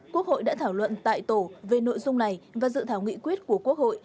quốc hội đã thảo luận tại tổ về nội dung này và dự thảo nghị quyết của quốc hội